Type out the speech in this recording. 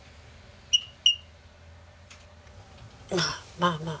まあまあ。